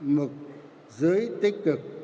mực dưới tích cực